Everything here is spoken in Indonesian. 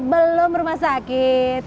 belum rumah sakit